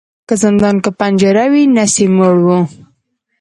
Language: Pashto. که زندان که پنجره وه نس یې موړ وو